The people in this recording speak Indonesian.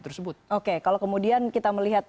tersebut oke kalau kemudian kita melihat